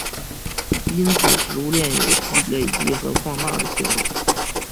因此食物链有累积和放大的效应。